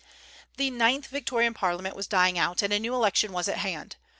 The ninth Victorian Parliament was dying out, and a new election was at hand.